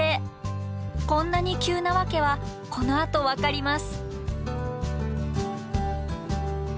こんなに急な訳はこのあと分かります。